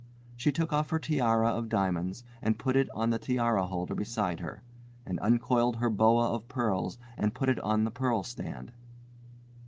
She took off her tiara of diamonds and put it on the tiara holder beside her and uncoiled her boa of pearls and put it on the pearl stand.